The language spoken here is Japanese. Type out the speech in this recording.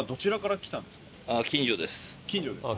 近所ですか。